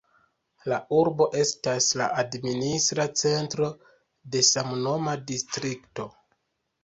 La urbo estas la administra centro de samnoma distrikto.